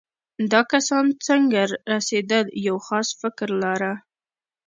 دا کسان څنګه رسېدل یو خاص فکر لاره.